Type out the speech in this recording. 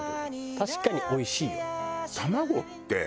確かにおいしいよ。